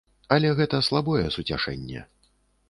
Але гэта слабое суцяшэнне.